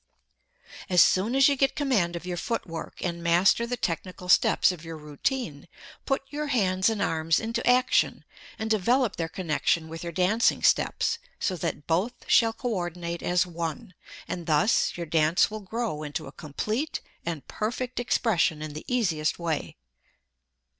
As soon as you get command of your foot work and master the technical steps of your routine, put your hands and arms into action and develop their connection with your dancing steps so that both shall coördinate as one, and thus your dance will grow into a complete and perfect expression in the easiest way.